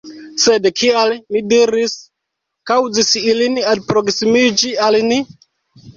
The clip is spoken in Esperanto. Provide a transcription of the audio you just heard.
Sed kial, mi diris, kaŭzis ilin alproksimiĝi al ni?